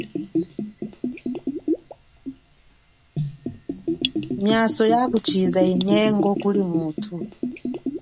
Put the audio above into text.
Miaso ya kushiza chinyengo kuli mutu.